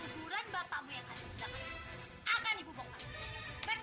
aku akan marah jika saya menjadi cantik